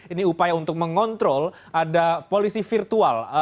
ini upaya untuk mengontrol ada polisi virtual